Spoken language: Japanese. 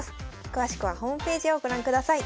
詳しくはホームページをご覧ください。